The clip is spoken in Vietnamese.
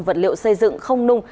vật liệu xây dựng không nung